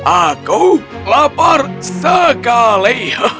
aku lapar sekali